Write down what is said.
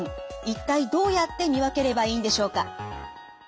一体どうやって見分ければいいんでしょうか？